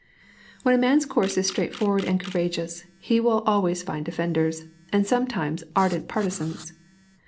When a man's course is straightforward and courageous, he will always find defenders, and sometimes, ardent partisans.